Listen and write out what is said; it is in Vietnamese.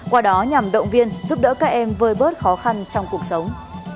qua đó nhằm động viên giúp đỡ các em vơi bớt khó khăn trong cuộc sống